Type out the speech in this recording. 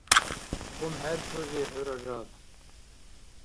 Хъумхӏертури хӏу, Ражаб